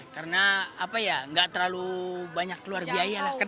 karena apa ya nggak terlalu banyak keluar biaya lah